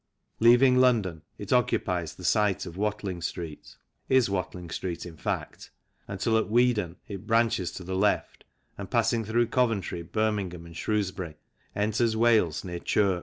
Leaving London it occupies the site of Watling Street (is Watling Street in fact) 78 THE CYCLE INDUSTRY until at Weedon it branches to the left and passing through Coventry, Birmingham, and Shrewsbury, enters Wales near Chirk.